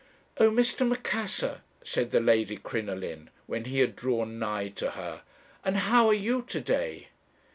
"'Oh, Mr. Macassar,' said the Lady Crinoline, when he had drawn nigh to her, 'and how are you to day?'